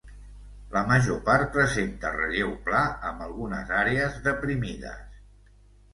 La major part presenta relleu pla amb algunes àrees deprimides.